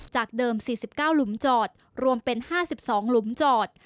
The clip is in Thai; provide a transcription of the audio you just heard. จากเดิม๔๙หลุมจอดรวมเป็น๕๒หลุมจอด